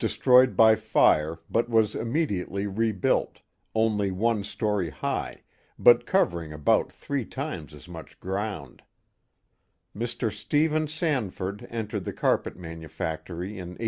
stroyed by fire but was immediately rebuilt, only one story high, but covering about three times as much ground, Mr. Stephen Sanford entered the carpet manufactory in 1844.